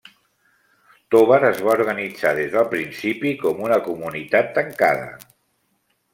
Tovar es va organitzar des del principi com una comunitat tancada.